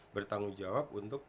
bertanggung jawab untuk